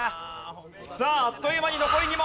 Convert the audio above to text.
さああっという間に残り２問。